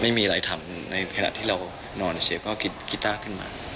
ไม่มีอะไรทำในขณะที่เรานอนเช่นเผรฟเขาเอากิต้าขึ้นมา